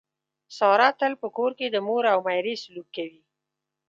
ساره تل په کور کې د مور او میرې سلوک کوي.